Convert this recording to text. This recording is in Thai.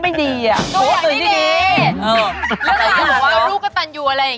มันเป็นอะไร